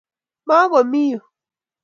Ma komi yu.